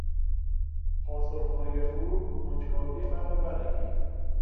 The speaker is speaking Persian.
پاسخهای او کنجکاوی مرا برانگیخت.